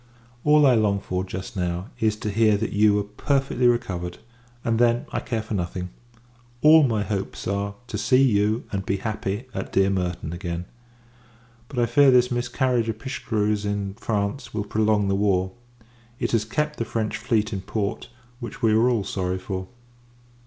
All I long for, just now, is to hear that you are perfectly recovered; and, then, I care for nothing: all my hopes are, to see you, and be happy, at dear Merton, again; but, I fear, this miscarriage of Pichegru's, in France, will prolong the war. It has kept the French fleet in port, which we are all sorry for.